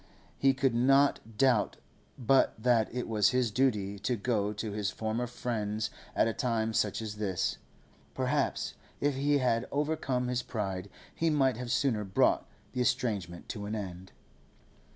He could not doubt but that it was his duty to go to his former friends at a time such as this. Perhaps, if he had overcome his pride, he might have sooner brought the estrangement to an end.